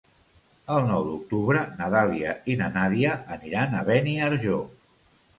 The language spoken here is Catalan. El nou d'octubre na Dàlia i na Nàdia aniran a Beniarjó.